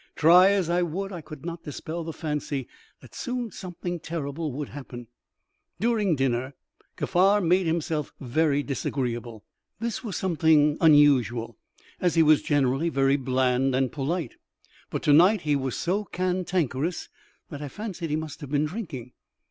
Try as I would, I could not dispel the fancy that soon something terrible would happen. During dinner Kaffar made himself very disagreeable. This was somewhat unusual, as he was generally very bland and polite, but to night he was so cantankerous that I fancied he must have been drinking.